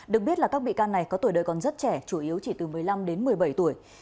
được biết là các bị can này có tuổi đời còn rất trẻ chủ yếu chỉ từ một mươi năm đến một mươi bảy tuổi